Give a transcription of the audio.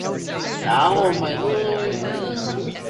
The list includes a brief description of their reason for notability.